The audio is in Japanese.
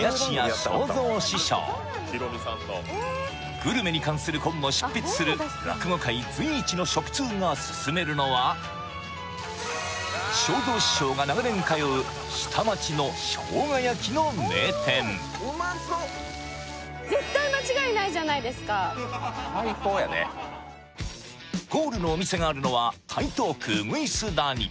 グルメにかんする本も執筆する落語界随一の食通がすすめるのは正蔵師匠が長年通う下町のしょうが焼きの名店じゃないですかゴールのお店があるのは台東区鶯谷